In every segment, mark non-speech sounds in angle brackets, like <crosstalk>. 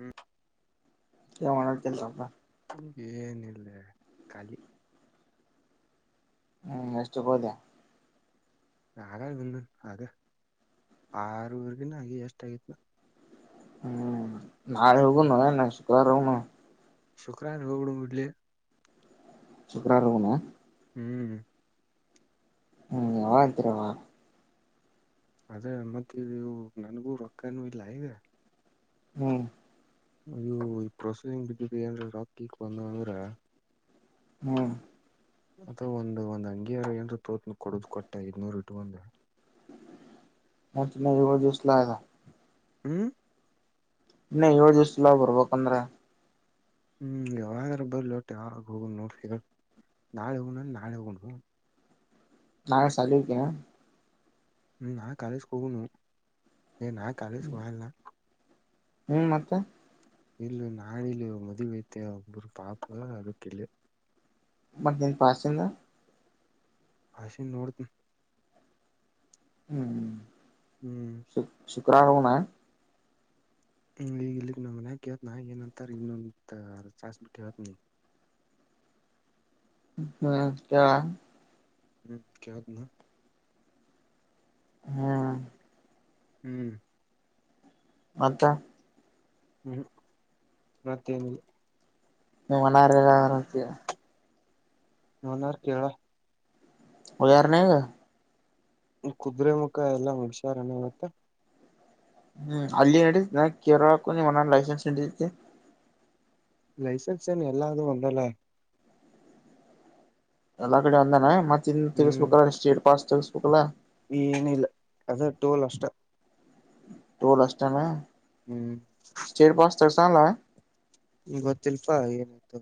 ಹ್ಮ್ ಯ ಮಾಡತಲ್ಲ ಏನಿಲ್ಲ ಖಾಲಿ ಹ್ಮ್ ಎಷ್ಟು ಹೋದೆ ಹಾಗಾಗಿ ಒಂದ ಅ ಆರೂರ್ಗಿನ ಹಾಗಿ ಎಷ್ಟ ಆಗತ್ನ ಹ್ಮ್ ನಾಳೆ ಹೋಗ ನ ನ ಶುಕ್ರಾರ ಹೋಗನು ಶುಕ್ರಾನ್ ಹಬಡ ಬಿಡ್ಲಿ ಶುಕ್ರಾರ ಹಣ ಹ್ಮ್ ಹ್ಮ್ ಯತರವಾ ಅದೇ ಮತ್ತ ಇ ನನ್ಗೂ ರೊಕ್ಕನ ಇಲ್ಲ ಈಗ ಹ್ಮ್ ಇದು ಈ ಪ್ರೋಸೆಸಿಂಗ್ ಬಿದ್ಯುತ್ ಏನ್ ರಾ ಕಿಕ್ ಬಂದು ಅಂದ್ರ ಹ್ಮ ಅದ ಒಂದು ಒಂದ್ ಅಂಗಿಯಾರ ಏ ತೋತ್ನ ಕೊಡುದ್ ಕೊಟ್ಟೆ ಇದ್ನೂರ್ ಇಟ್ಟ ಒಂದು ನತುನ್ನ ಜವ ದಿಸಲಗ ಹ್ಮ್ ಇನ್ನ ಏಳು ದಿವಸಲಾ ಬರ್ಬೇಕಂದ್ರೆ ಹ್ಮ್ ಯಾವ್ರ ಬರ್ಲಿ ಹೊಟ್ಟೆ ಯಾಗ ಹೋಗ ನೋಡ್ರಿ ನಾಳೆ ಒಣ ನಾಳೆ ಒನು ನಾಾನೆ ಚಲಿಕೇನೆ ಹ್ಮ್ ನಾ ಕಾಲೇಜ್ಗೆಗಣನು ನಾ ಕಾಲೇಜ್ ಹಲ್ಲ ಹ್ಮ್ ಮತ್ತೆ ಇಲ್ಲ ನಾಣಿಲು ಮದವತ ಒಬ್ಬರು ಪಪ ಅದಕ್ಕಲ್ಲ ಮತ್ತ ನಿನ್ ಪಾಸಿಂದ ಭಾಷೆ ನೋಡ್ತನ ಹ್ಮ್ ಹ್ಮ್ ಗ್ರಾಗಣ ಹ್ಮ್ ಈಗ ಇಲ್ಲಿಕ್ ಮನ್ಯೇತ್ನಾ ಏನಂತಾರ ಇನ್ನೊ ಸಸ್ ಬಿಟ್ಟು ಹತ್ನ ಹ್ಮ್ ಹ್ಮ್ ಕತನಾ ಹಾ ಹ್ಮ್ ಮತ್ತ ಹ್ಮ್ ಮತ್ತೇನುಲ್ಲ ನೀ ಮನಾರಲ್ಲ ಆರಚ ನನಾರು ಕೇಳ ಉದಾರಣಾಗ ಕುದುರೆ ಮುಖ ಎಲ್ಲಾ ಮುಷಾರಣ ಮತ್ತ ಹ್ಮ್ ಅಲ್ಲಿ ನಡ ನ ಕೇರಕು ನೀವ್ ಲೈಸೆನ್ಸ್ ನಡತಿ ಲೈಸನ್ಸಏನ್ನು ಎಲ್ಲಾದ ಒಂದಲ್ಲ ಎಲ್ಲಾ ಕಡೆ ಒಂದಾನ ಮತ್ತ ಇಂದ ಹ್ಮ್ ತಗಸ್ಬೇಕಲ್ಲ ಸೇಟ್ ಪಾಸ್ ತಗಸ್ಬೇಕಲ್ಲ ಏನಿಲ್ಲ ಅದ ಟೋಲ್ ಅಷ್ಟ ಟೋಲ್ ಅಷ್ಟತಾನ ಹ್ಮ್ ಸರ್ಸಲ್ಲಯ ಗೊತ್ತಿಲ್ಪಾ ಏನಾಯ್ತು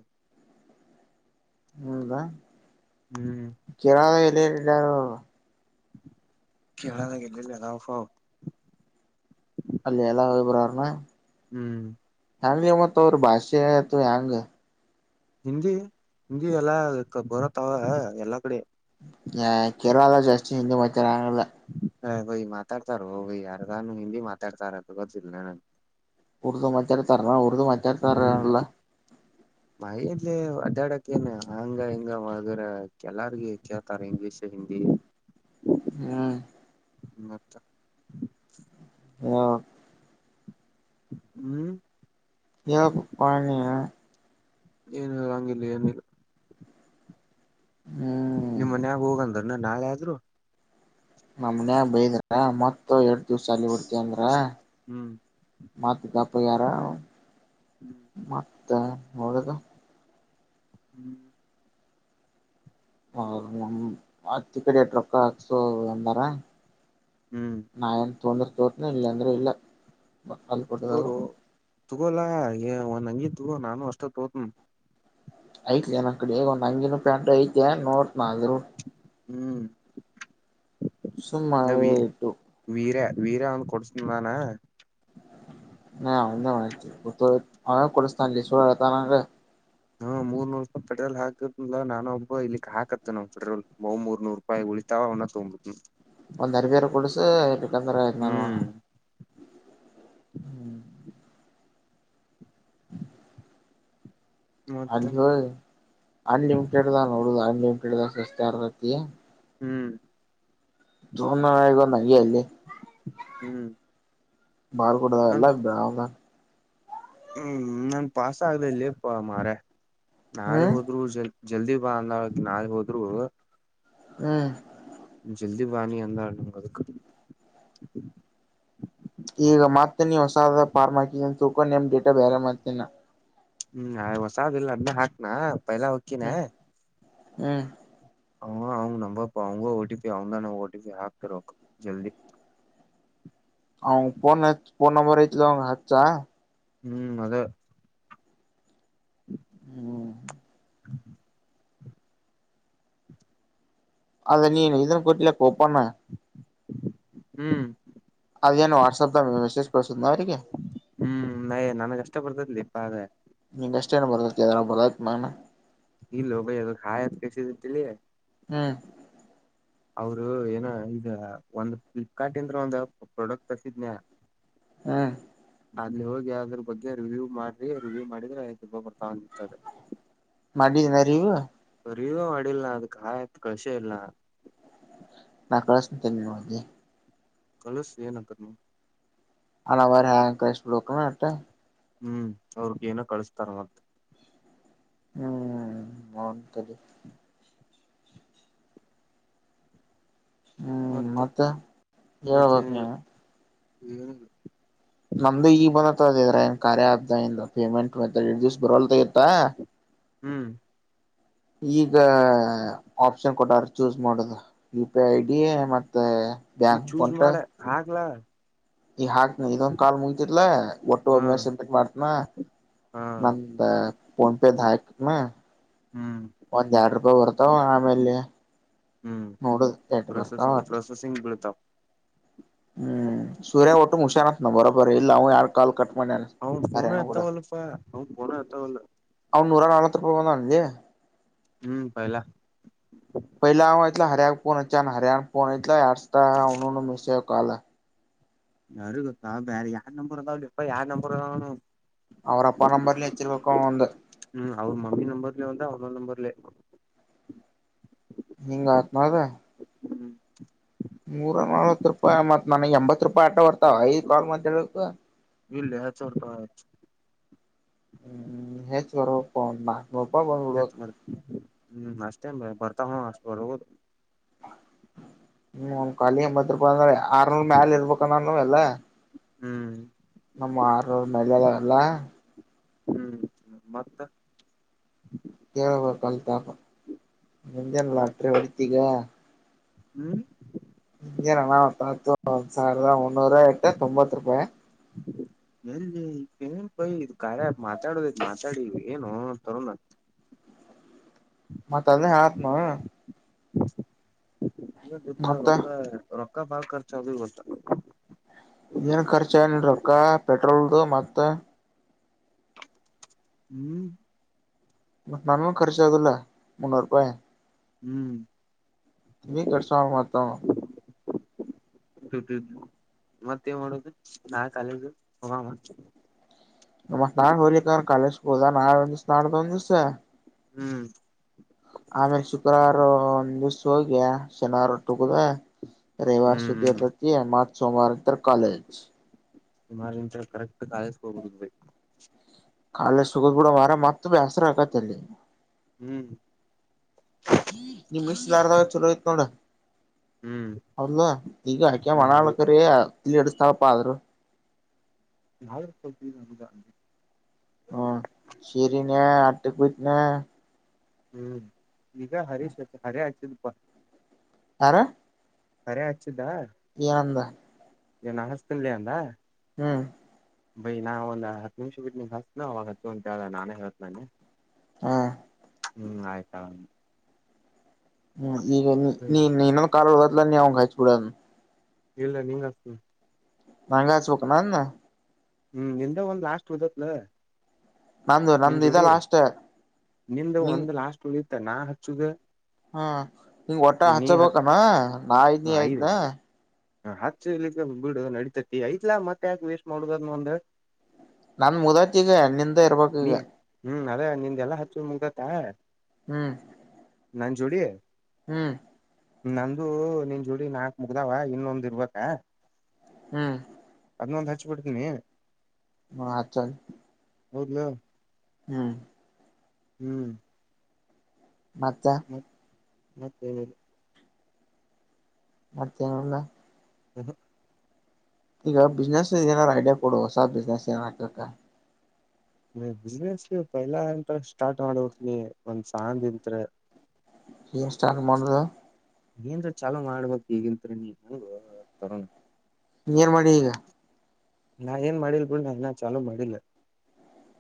ಹ್ಮದಾ ಹ್ಮ್ ಕೆರ ಎಲ್ಲಿರು ಕೆಳ ಗಲ್ಲ ಜಲ್ಲ ಫೋ ಅಲ್ಲ ಎಲ್ಲ ವಿಬರಾರಣ ಹ್ಮ್ ಹೆಂಗಗೆ ಮತ್ ಅವ್ರ ಭಾಷೆ ಆಯತು ಹೆಂಗ ಹಿಂದಿ ಹಿಂದಿ ಎಲ್ಲಾ ಬರತ್ತಾವ ಎಲ್ಲಾ ಕಡೆ ಹ ಕೇರಳ ಜಾಸ್ತಿ ಹಿಂದಿ ಮಾಡತಾರಾಗಲ್ಲ ಹಗೋಗ ಮಾತಾಡ್ತಾರ ಹೋಗ ಯಾರ್ಗ ಹಿಂದಿ ಮಾತಾಡ್ತಾರ ಅದು ಗೊತ್ತಿಲ್ಲ ನಗೆ ಕುೂಡದ ಮಚಾರತಾರ ಕುಡದ ಮಚಾರ ತರಲ್ಲ ಮೈಲ್ಲಿ ಅದಡ್ಯಾಡಕ ಏನ್ ಹಂಗ ಹಿಂಗ ವರ ಕೆಲಾರ್ಗ ಕೇಳ್ತಾರ ಇಂಗ್ಲೀಷ್ ಹಿಂದಿ ಹ್ಮ ಹ್ಮ್ ತ್ತ ಹ ಹ್ಮ್ ಹೇಳ್ಬೇಕಪ್ಪಾ ನೀನ ಏನು ರಂಗಿಲ್ಲ ಏನಿಲ್ಲ ಹ್ಮ್ ನಿಮ್ ಮನ್ಯಾಗ ಹೋಗಂದ್ರ ನ ನಾಳೆ ಆದ್ರು ನ ಮನ್ಯಾಗ ಬೈದ್ರ ಮತ್ ಎರಡ್ ದಿವ್ಸ ಅಲ್ಲಿ ಬಿಡ್ತಂದ್ರ ಹ್ಮ್ ಮತ್ತದಪ್ಪ ಯಾರ ಮತ್ತೆ ನಳದ ಹ್ಮ್ ಅತ್ತ ಕಡೆ ಟ್ರಕ್ ಹಾಕ್ಸೋ ಎಂದಾರ ಹ್ಮ್ ತೊಂದ್ರ ತೋತನ ಇಲ್ಲ ಅಂದ್ರೆ ಇಲ್ಲ ಅಲ್ಲಿ ಕೊಟ್ಟಿದಾಗ ತಗೋರು ತಗೋಲ್ಲಾ ಒ ನಂಗಿ ತಗೋ ನಾನು ಅಷ್ಟೊ ತಗೋತ ಐತ್ ನ ಕಡೆ ಈಗ ಒಂದ್ ಹಂಗಿನ ಪ್ಯಾಂಟ್ ಐತೆ ನೋಡ್ನ ಆದ್ರರು ಹ್ಮ್ ಸುಮ್ಮ ಇಟ್ಟು ವೀರಾ ಒಂದು ಕೊಡಸದಾನ ಹ ಅ ಮತ್ತ ಅ ಕಟ್ಟ ಸ್ಥಾನ ಸತ ನೆ ಹಾ ಮೂರ್ ನೂರು ರೂಪಿ ಪೆಟ್ರೋಲ್ ಹಾಕದಲ ನಾ ಒಬ್ಬ ಇಲ್ಲಿಕ್ ಹಾಕೆ ನಾ ಪೆ್ರೋ ಹ ಮೂರ್ ನೂರು ರೂಪಾಯಿ ಉಳಿತಾ ನ್ನ ತಗಂಬದು ಒಂದ್ ಅರ್ಬಿಯರ್ ಕೊಡಸ ಬೇಕಂದ್ರೆ ನಾನ ಹ್ಮ್ ಹಾ ಮತ್ತ ಹ ಅಲಿಮಟಡ್ ನೋಡದ ಅಮಟ ಸಸ್ತಾರ ರತಿ ಹ್ಮ್ ತೋ ಈಗಯ್ಯ ಇಲ್ಲಿ ಹ್ಮ್ ಮಾರ್ಕೂಟದಾ ನನ್ ಎಲ್ಲ ಇಾಮ್ದಾ ಹ್ಮ್ ನನ್ ಪಾಸ ಆಗ್ಲ ಇಲ್ಲಪ್ಪ ಮಾರ ನಾಾವೆ ಹ್ಮ್ ಹೋದ್ರೂಊಲ್ ಜಲ್ದಿ ಬಾ ಅಂದ ನಾ ಹೋದ್ರು ಹ್ಮ್ ಜಲ್ದಿ ಬಾಣಿ ಅಂತ ಈಗ ಮಾತ ನೀ ಹೊಸಾದ ಫಾರ್ಮಾಕ ತೂಕ ನೇಮ್ ಡೇಟಾ ಬೇರೆ ಮಾತೇನಾ ಹ್ಮ್ ಹಾಗ ಹೊಸಾದ ಇಲ್ ಅದ್ದ ಹಾಕ್ನಾ ಪೈಲಾ ಹೊಕ್ಕಿನ ಹ್ಮ್ ಹ್ಮ್ ಹ ಅವಂಗ್ ನಂಬರ್ ಅವಂಗ ಓ ಟಿ ಪಿ ಅವದ ನ ಓಟಿ ಪಿ ಹಾಕ್ತರ ಜಲ್ದಿ ಅವಫನ್ನ್ ನಂಬರ್ ಆತ ಹಚ್ಚಾ ಹ್ಮ್ ಅದೇ ಹ್ಮ್ ಅದ ನೀ ಇದನ್ನು ಕಟ್ಟಲ ಕೊಪಣ ಹ್ಮ್ ಅದೇನು ವಾಟ್ಸಪ್ದಾಗ ಮೆಸೇಜ್ ಕಳ್ಸದ್ನ ಅವರಿಗೆ ಹ್ಮ್ ನಯ ನನಗೆಷ್ಟ ಬರ್ತದ್ಲಿ ಪಾವ ನಿ ಅಷ್ಟೇನ್ ಬರತತಿ ಅದರ ಬರತ್ ಮನ್ ಈಲೋಗದುಾಯತ್ ಕಸಲ್ಲಿ ಹ್ಮ್ ಅವರು ಏನ ಈಗ ಒಂದ್ ಫ್ಲಿಪ್ಕಾರ್ಟ್ ಇಂದ್ರ ಒಂದ ಪ್ರಾಡಕ್ಟ್ ತರ್ಸಿದ್ನಯ ಹಾ ಅಲ್ಲಿಲ್ಲಿ ಹೋಗಿ ಅದ್ರ ಬಗ್ಗೆ ರಿವ್ಯೂ ಮಾಡ್ರಿ ರಿವ್ಯೂ ಮಾಡಿದ್ರೆ ಐದು ರೂಪಾಯಿ ಬರ್ತಾಂದಿರ್ತದೆ ಮಾಡಿದಿನ ರೀವು ಸರಿದೂ ಅಡಿಲ್ಲ ಅದ ಕಾಯತ್ ಕಳಸೇ ಇಲ್ಲ ನಾಕಳಸ್ ನತ ನಿ ಮೆ ಕಳಸು ಏನ ಕರ್ಮ ಹಣ ಅವಾರ ಹ್ಯಾಂ ಕ ಬಿಣ ಅ ಹ್ಮ್ ಅವ್ರಗ ಏನೋ ಕಳಸ್ತಾರ ಮಂತ ಹ್ಮ್ ಮನ್ಂತದೆ ಹ್ಮ್ ಮತ್ತ ಮತ್ತೆ ಹೇಳ್ಬೇಕು ನೀವು ಹ್ಮ್ ನಮ್ದು ಈಗ ಬಂದತದ ಇದ್ರ ಕಾರ್ಯ ಆಬ್ ಪೇಮೆಂಟ್ ಎರ ದಿವ್ಸ ಬರಲ್ಗತ್ತಾ ಹ್ಮ್ ಈಗ ಆಪ್ಷನ್ ಕೊಟ್ಟಾರ ಚೂಸ್ ಮಾಡುದು ಐ ಡಿ ಮತ್ತೆ ಮತ್ ಬ್ಯಾಂಕ್ ಚೂಸ್ ಅಕೌಂಟ್ ಮಾಡ ಹಾಕ್ಲಾ ಈ ಹಾಕ್ನ ಇದೊಂದ ಕಾಲ್ ಮುಗತಿ್ಲ ಒಟ್ಟು ಹಾ ಮೆಸ ಮಾಡ್ತನಾ ಹಾ ನ ಪೋನ್ಪೆ ಾಯಕ್ ನ ಹ್ಮ್ ಒಂದ್ ಎರಡ್ ರೂಪಾಯಿ ಬರ್ತಾವ ಆಮೇಲೆ ಹ್ಮ್ ನೋಡು ಟ ಬರ್ತ ಪ್ರೊಸೆಸಿಂಗ್ ವಟ್ ಪ್ರೊಸೆಸಿಂಗ್ ಬೀಳ್ತಾವ ಹ್ಮ್ ಸೂರ್ಯ ಒಟ್ಟು ಮುಶ್ಯಾನತ್ನ ಬರೋಬರ ಇಲ್ಲ ಅವ ಯಾರ್ ಕಾಲ್ ಕಟ್ ಮಾಡ್ಯಾನ ಹರ್ಯಾಣ ಅವನ್ ೋನ ಕೂಡ ಎತ್ತಾವಲ್ಲಪ್ಪ ಅವನ್ ಪೋನ ಎತ್ತಾವಲ್ಲ ಅವ್ನ್ ನೂರ ನಾಳತ್ರರ ಪಾನಾ ಇಲ್ಲಿಯ ಹ್ಮ್ ಪಹಲ ಇ ಹರಿ್ಯಕಕ್ಫೋನ್ ಹಚ್ಚೆ ಹರಿ್ಯಾಣ ಫೋನ್ ಇಲ ಯ ಎಡ್ಸ್ತ ಅವನು ಮಿಸ್ ಆ್ ಕಾಲಲ್ಲ ಯಾರ ಗೊತ್ತಾ ಬೇರೆ ಯಾರು ನಂಬರ್ ಇದಂದಾವ ಇಪ್ಪ ಯಾರು ನಂಬರ್ದಾವಣನು ಅವರ ಅಪ್ಪ ನಂಬರ್ ಹೆಚ್ಚಿಕ್ಕ ಅಂದ ಹ್ಮ್ ಅವನ್ ಮಮ್ಮಿ ನಂಬರ್ಲೆ ಒಂದಾ ಅವನ ನಂಬರ್ಲ್ಲ ಹಿಂಗ ಆತ್ನದ ಹ್ಮ್ ನೂರ ನಲ್ವತ್ ರೂಪಾಯಿ ಮತ್ ನನಗೆ ಎಂಬತ್ ರೂಪಾಯಿ ಆಟ ಬರ್ತಾವ ಐದು ಕಾಲ್ ಮಬೇಕ ಇಲ್ಲ ಚಪ ಹ್ಮ್ ಹೆಚ್ ಬರ್ಪ್ಪಮ್ಮ ಹೆತ್ ಮಾಡ ಹ್ಮ್ ಅಷ್ಟೇ ಬರ್ತಾ ಹ ಅಷ್ಟು ಬರ್ದು ಹ್ಮ್ ಒಂದ ಕಾಲಿ ಎಂಬತ್ತು ರೂಪಾಯಿ ಅ ಆರ್ನೂರ ಮ್ಯಾಲ ಇರ್ಬೇಕಾನಾನು ಎಲ್ಲ ಹ್ಮ್ ನಮ್ಮ ಆರ್ರ ಮೇಲೆಳಲ್ಲ ಹ್ಮ್ ಹ್ಮ್ ಮತ್ತ ಕೇಳಬೇಕ ಕಲ್ ತಾಪ ಮುಜನ ಹ ಲಾಟ್ರಿ ಒತೀಗ ಹ್ಮ್ ಹ ನಲ್ಲತ್ತು ಒಂದ ಸಾವಿರದ ಮುನ್ನೂರು ಎಟ ತೊಂಬತ್ತು ರೂಪಾಯಿ ಎಲ್ಲಿನ್ೈ ಕಾರ್ಯ ಮಾತಾಡೋದ ಇ ಮಾತಾಡಿ ಏನು ತರೋಣ ಮತ್ತ ಅದನೇ ಆತ್್ಮ ಇಪ್ಪ ಮತ್ತ ರೊಕ್ಕ ಪಕ್ಕ ಭಾರ ರ್ಚ ಅದು ಬತ ಏನ್ ಖರ್ಚ ಏನ್ರಕ್ಕ ಪೆಟ್ರೋಲ್ದು ಮತ್ತ ಹ್ಮ್ ನಾನು ಖರ್ಚ ಆಗಲ್ಲ ಮುನ್ನೂರು ರೂಪಾಯಿ ಹ್ಮ್ ತಿ ಕಷ ಮಾತ ುಟ ಮತ್ತೆ ಮಾಡೋುದು ನಾಳ ಕಾಲ ಹಾಮಾನ ನಮ್ಮತ್ ನಾಡ್ ಹೋಲಿಕ್ಕೆಂದ ಕಾಲೇಜ್ ಹೋದಾ ನಾಳ ಒಂದ ದಿವ್ಸ ನಾಡ್ದ ಒಂದ ದಿವ್ಸ ಹ್ಮ್ ಆಮೇಲೆ ಶುಕ್ರವಾರು ಒಂದ್ ದಿವ್ಸ ಹೋಗ್ಯ ಶನಿವಾರುಟ್ಟುಕುದ ರವಿವಾರ ಹ್ಮ್ ಸಟಿ ಹ್ಮ್ ಇತ ಮ ಸೋಮವಾರ ನಂತ ಕಾಲಜ ಸುಮಾರ ಇಂತ ಕರೆಕ್ಟ್ ಕಾಯಿಸಕ ಹ್ಬಿಡುದು ಬ ಕಾಲೆ ಶುಗದ ಬುಡ ಮಾರ ಮಾರ್ತ ಬ್ಯಾಸ ರಕಾತಲ್ಲಿ ಹ್ಮ್ ನಿಮ್ ಮಿಸ್ ಯಾರದಾವ ಚಲೋಯಐತ್ ನೋ್ರ ಹ್ಮ್ ಅೌಲ್ಲ ಈಗ ಆಕೆ ಹ ಹೌದು ಮಣಾಳ್ಕ್ರ ಇಲ್ಲಿ ಎಡುಸ್ತಪ್ಪ ಆದ್ರರು ನ ಸದ ಹ್ಮ ಸರಿನ ಅಟ್ಟ ಬಯತನ ಹ್ಮ್ ಈಗ ಹರೀಶ್ ಹರೇ ಹಚ್ಚಿದಪ್ಪಾ ಆ ಹರೆ ಹಚ್ಚಿದ್ದ ಎನ್ ಏನ್ ಅನಸ್ತಿನ್ಲಿ ಅಂದ ಹ್ಮ್ ಬೈ ನಾ ಒಂದು ಹತ್ ನಿಮಿಷ ಬಿಟ್ಟ ನಿ ಹಸ್ದು ಅವವಾಗ ಹಚ್ಚು ಅಂತ ಹೇಳ್ದ ನಾನೇ ಹೇತ್ ನಾನನೆ ಹ ಹ್ಮ್ ಆಯ್ತ ಹ್ಮ್ ಈಗ ಹ್ಮ್ ನೀ ನೀ ಇನ್ನೊಂದು ಕಾ ಹದತ್ಲ ನೀ ಅವಂಗ ಹಾಯಚ್ ಬಿಡ ಇಲ್ಲ ನೀಂಗ ಹಸ್ತೀನಿ ಮಂಗ ಚ ಹಕನ ನ ಹ್ಮ್ ನಿ್ದ ಒಂದ್ ಲಾಸ್ಟ್ ದತ್ಲ ನಂದು ನಿನ್ ನಂದು ಇದ ಜೋಡಿ ಲಾಸ್ಟ್ ನಿಂದ ನಿಂಗ ಒಂದ ಲಾಸ್ಟ್ ಉಳಿತ ನಾ ಹಚ್ಚುದು ಹ್ಮ ನಿಂಗ್ ಒಟ್ಟ ಹಚ್ಚಬೇಕಮ್ಮ ನಾಾಯಯದ್ನ ಆಯದ್ನ ಹ ಹಚ್ಚಲಿಕ್ಕೆ ಬಿಡು ನಡಿತತಿ ಐ್ಲಾ ಮತ್ತೆ ಯಾಕೆ ವೇಸ್ಟ್ ಮಾಡುದದ ಒಂದ ನನ್ ಮುದತಿ ಈಗ ನಿಂದ ಇರ್ಬೇಕಕ್ ನೀ ಈಗ ಹ್ಮ್ ಅದೇ ನಿ್ದೆಲ್ಲ ಹಚ್ಚ ಮುಗ್ದತ್ತ ಹ್ಮ್ ನನ್ ಜೂಡಿಯ ಹ್ಮ್ ನಂದು ನಿನ್ ಜೋಡಿ ನಾಲ್ಕ್ ಮುಗ್ದಾವ ಇನ್ನೊಂದ್ ಇರ್ಬೇಕ ಹ್ಮ್ ಅದನ್ನೊಂದ್ ಹಚ್ಬಿಡ್ತೀನಿ ಹ ಚಲ್ ಹೌದಲಾ ಹ್ಮ್ ಹ್ಮ್ ಮತ್ತೆ ಮತ್ತೆ ಮತಲ್ಲ ಹ ಹ ಈಗ ಬಿಸ್ನೆಸ್ ಏನಾರ್ ಐಡಿಯಾ ಕೊಡುವಸ ಬಿಸ್ನೆಸ್ ಏನ ಹಾಬೇಕ ನೀ ಬಿಸ್ನೆಸ್ ಪಹಲಾ ಎಂತ ಸ್ಟಾರ್ಟ್ ಮಾಡ್ಬೇಕಕ್ ನೀ ಒಂದ್ ಸತ್ ಏನ್ ಸ್ಟಾರ್ಟ್ ಮಾಡುದು ನೀಏನ್ ಚಲೋ ಮಾಡ್ಬೇಕಕ್ ಈಗಿನ್ತ್ರಿೀ ನೀ ನ ತರೋಣ ನೀರ್ ಮಾಡಿ ಈಗ ನಾ ಏನ್ ಮಾಡಿಲ್ ಬಿೂಡ ನನ್ನ ಚಾಲೂ ಮಾಡಿಲ್ಲ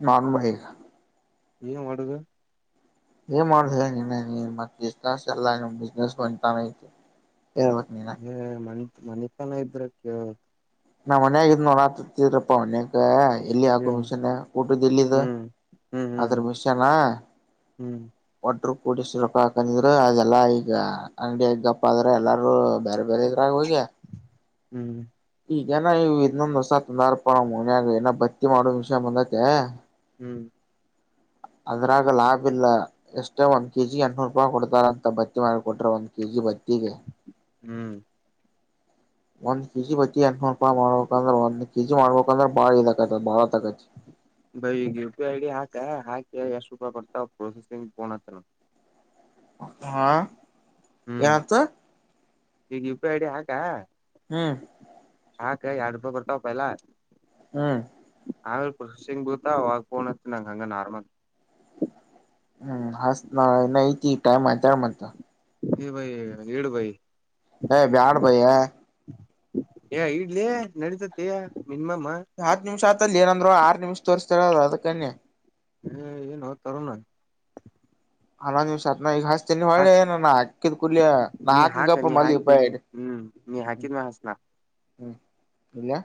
ನಾನ್ ಬಹಗ ಏನ್ ಮಾಡುದು ಏನ್ ಮಾಡುದುನ್ನ ಮತ್ ಬಿಸ್ಸ್ ಎಲ್ಲ ಬಿಸ್ನೆಸ್ ಬ ತಾನ ಐತಿ ಎಳವತ್ತಮಿನ ಮನ ಮನಿತನ ಇದ್ರ ಕ ನಾ್ ಮನ್ಯಾಗ ಇದಿದ್ ನೋತತಿದ್ರಪ್ಪಾ ಮನ್ಯಾಗ ಎಲ್ಲಿ ಹಾಕೋ ಹ್ಮ್ ಮಿಷನ್ ಊಟದ ಎಲ್ಲಿದ್ದ ಹ್ಮ್ ಹ್ಮ್ ಹ್ಮ್ ಅದ್ರ ಮಿಷನ್ ಹ್ಮ್ ವಾಟರುೂ ಕೂಡ ಸ ರೊಪ ಹಾಕಂದಿದ್ರು ಅದೆಲ್ಲಾ ಈಗ ಅಂಗಡಿಿಯಗಪ್ಪ ಆದ್ರ ಎಲ್ಲಾರೂ ಬೇರೆ ಬೇರೆ ಇದ್ರಾಗ ಹೋಗಿ ಹ ಹ್ಮ್ ಈಗೇನ ಇವು ಇನ್ನೊಂದ್ ಹೊಸ ತೊಂದಾರಪ ನ್ ಮನ್ಯಾಗ ಏನ ಭತ್ತತಿ ಮಾಡೋ ವಿಷಯ ಬಂದೈತೆ ಹ್ಮ್ ಹ ಅದ್ರಾಗ ಲಾಭ ಇಲ್ಲ ಎಷ್ಟೇ ಒಂದ್ ಕೆ ಜಿ ಎಂನೂರು ರೂಪಾಯಿ ಕೊಡ್ತಾರಂತ ಬತ್ತಿ ಮಾಡಿಕೊಟ್ರೆ ಒಂದ್ ಕೆ ಜಿ ಬತ್ತಿ ಗ ಹ್ಮ್ ಒಂದ್ ಕೆಜಿ ಬತಿ ಎಂರು ರೂಪಾಯಿ ಮಾಡ್ಬೇಕಂದ್ರೆ ಒಂದ್ ಕೆಜಿ ಮಾಡ್ಬೇಕಂದ್ರೆ ಬಾಳ ಇಕತ ಬಾಳತಕತಿ ಬೈ ಈಗ U P I I D ಹಾಕ ಹಾಕಿ ಎಷ್ಟ ರೂಪಾಯಿ ಬರ್ತಾವ ಪ್ರೊಸೆಸಿಂಗ್ ಫೋನಾಗ್ತೀನ ಹಾ <inaudible> ಹ್ಮ್ ಏನಾತ್ತು ಈಗ ಯು ಪಿ ಐಡಿ ಹಾಕಾ ಹ್ಮ್ ಆಾಕ ಎರಡ್ ರೂಪಾಯಿ ಬರ್ತವಪ್ಪ ಇಲ್ಲಾ ಹಾ ಆಗ್ಲ್ ಪ್ರೊಸೆಸಿಂಗ್ ಬೀಳ್ತವ ಆಗ ಫೋನ್ಅಚ್ಚು ನಂಗ ಹಂಗ ನಾರ್ಮಲ್ ಹ್ಮ್ ಹಸತ್ ನನ ಐತಿ ಟೈಮ್ ಆಯತಾರ ಮತ್ತು ಹ ಭೈ ಡುು ಭೈ ಹ ಬ್ಯಾಡ ಬಯ್ಯಾ ಏ ಇಡ್ಲಿ ನಡತತಿ ಹತ್ ನಿಮಿಷಆತಲ್ಲಿ ಏನಂದ್ರು ಆರು ನಿಮಿಷ ತೋರಿಸ್ತೀರ <unintelligible> ಕನ್ಯೆ ಏನೋ ತರೋಣ ಹನ್ನೊಂದ್ ನಿಮಿಷ ಹತ್ನ ಈಗ ಹಾಚ್ತೇನಿ ಹಚ್ ಹೊಳ್ಳೆ ನ ಹಾಕಿದ್ ಕುೂಲಿಿಯ ನಾ ನೀ ಹಾಕ ಗಪ್ಪಪ ನೀ ಮಲ್ ಹಾಕ್ ಬಿ ಹ್ಮ್ ನೀ ಹಾಕಿದ ಮಾ ಹಾಸನಾ ಹ್ಮ್ ಇಡ್ಲಾ